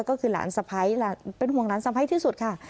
ก็คือหลานสะพ้ายเป็นห่วงหลานสะพ้ายที่สุดค่ะ